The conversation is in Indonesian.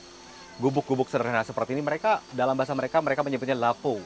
dan ini gubuk gubuk sederhana seperti ini mereka dalam bahasa mereka menyebutnya lapu